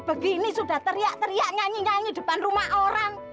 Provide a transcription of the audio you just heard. begini sudah teriak teriak nyanyi nyanyi depan rumah orang